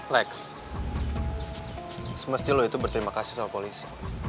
lex semesti lo itu berterima kasih sama polisi